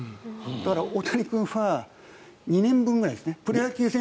だから、大谷君は２年分ぐらいですね。